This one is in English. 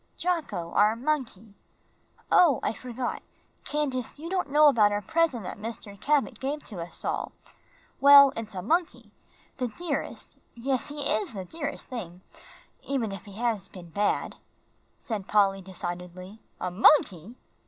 "Jocko, our monkey. Oh, I forgot, Candace, you don't know about our present that Mr. Cabot gave to us all. Well, it's a monkey the dearest, yes, he is the dearest thing, even if he has been bad," said Polly, decidedly. "A monkey!"